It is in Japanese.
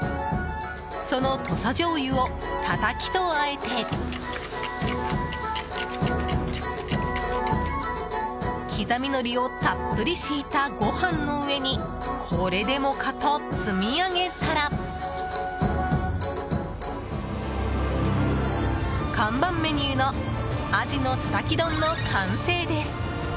その土佐じょうゆをタタキと和えて刻みのりをたっぷり敷いたご飯の上にこれでもかと積み上げたら看板メニューの鯵のたたき丼の完成です。